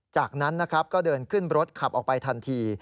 จากนั้นนะครับก็เดินขึ้นรถขับออกไปทันที